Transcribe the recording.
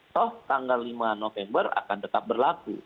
toh tanggal lima november akan tetap berlaku